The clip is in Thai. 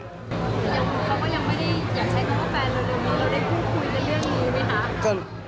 เราได้คู่คุยกันเรื่องนี้ไหมครับ